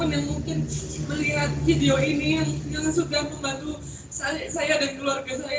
terima kasih buat teman teman yang mungkin melihat video ini yang sudah membantu saya dan keluarga saya